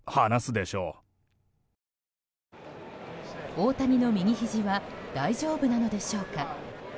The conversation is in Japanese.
大谷の右ひじは大丈夫なのでしょうか。